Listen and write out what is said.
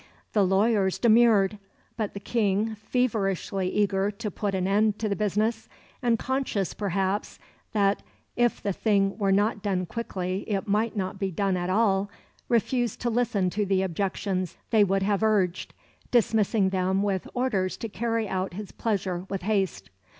The lawyers demurred, but the King, feverishly eager to put an end to the business, and conscious perhaps that if the thing were not done quickly it might not be done at all, refused to listen to the objections they would have urged, dismissing them with orders to carry out his pleasure with haste.